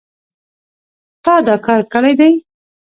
تا دا کار کړی دی